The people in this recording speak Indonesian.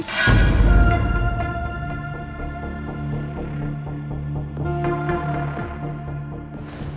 masuk yuk makan dulu